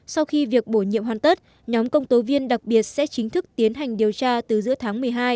sau khi việc bổ nhiệm hoàn tất nhóm công tố viên đặc biệt sẽ chính thức tiến hành điều tra từ giữa tháng một mươi hai